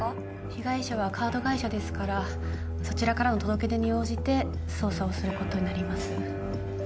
被害者はカード会社ですからそちらからの届け出に応じて捜査をすることになります